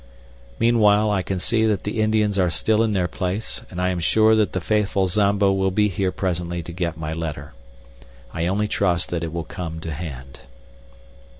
Meanwhile, I can see that the Indians are still in their place, and I am sure that the faithful Zambo will be here presently to get my letter. I only trust that it will come to hand.